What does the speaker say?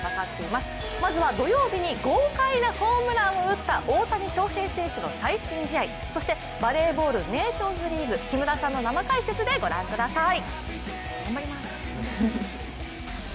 まずは土曜日に豪快なホームランを打った大谷翔平選手の最新試合、そしてバレーボールのネーションズリーグ木村さんの生解説で御覧ください。